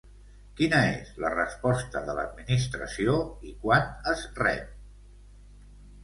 Quina és la resposta de l'Administració i quan es rep?